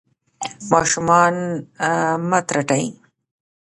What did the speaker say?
ماشومان مه ترټئ.